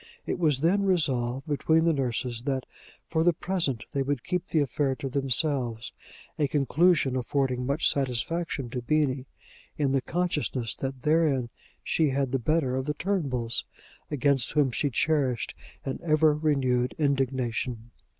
It was then resolved between the nurses that, for the present, they would keep the affair to themselves, a conclusion affording much satisfaction to Beenie, in the consciousness that therein she had the better of the Turnbulls, against whom she cherished an ever renewed indignation.